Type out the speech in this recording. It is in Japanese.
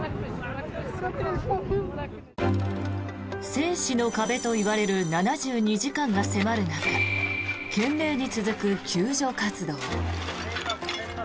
生死の壁といわれる７２時間が迫る中懸命に続く救助活動。